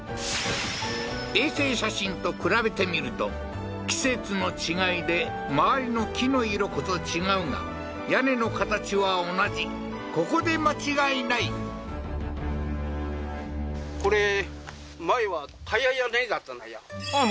衛星写真と比べてみると季節の違いで周りの木の色こそ違うがここで間違いないあっ